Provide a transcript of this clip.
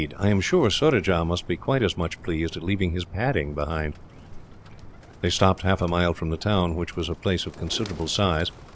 I am sure Surajah must be quite as much pleased at leaving his padding behind." They stopped half a mile from the town, which was a place of considerable size.